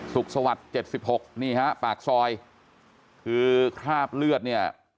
สุขสวัสดิ์๗๖นี่ฮะปากซอยคือคราบเลือดเนี่ย